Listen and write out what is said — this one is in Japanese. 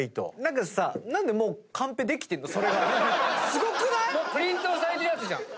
すごくない⁉プリントされてるやつじゃん。